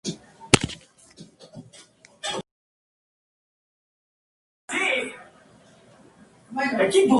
Solamente unos pocos son hierbas anuales.